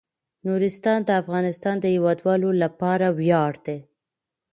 نورستان د افغانستان د هیوادوالو لپاره ویاړ دی.